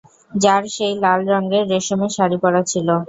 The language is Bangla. যাঁর সেই লাল রঙের রেশমের শাড়ি পরা ছিল?